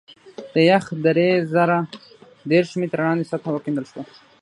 د یخ درې زره دېرش متره لاندې سطحه وکیندل شوه